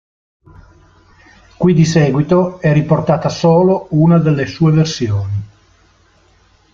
Qui di seguito è riportata solo una delle sue versioni.